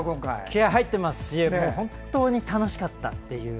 気合い入ってますし本当に楽しかったという。